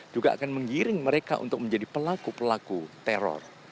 juga akan menggiring mereka untuk menjadi pelaku pelaku teror